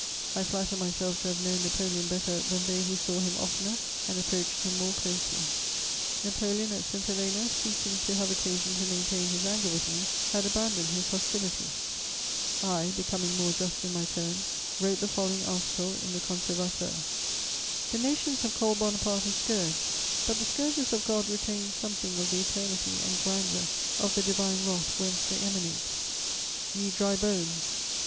I flatter myself to have known Napoleon better than they who saw him oftener and approached him more closely. Napoleon at St. Helena, ceasing to have occasion to maintain his anger with me, had abandoned his hostility; I, becoming more just in my turn, wrote the following article in the Conservateur: "The nations have called Bonaparte a scourge; but the scourges of God retain something of the eternity and grandeur of the divine wrath whence they emanate: 'Ye dry bones